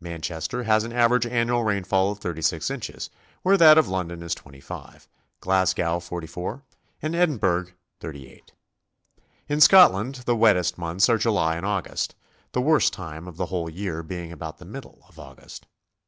Manchester has an average annual rainfall of 36 inches, where that of London is 25, Glasgow 44 and Edinburgh 38. In Scotland the wettest months are July and August, the worst time of the whole year being about the middle of August.